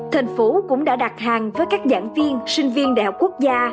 thành phố cũng đã đặt hàng với các giảng viên sinh viên đại học quốc gia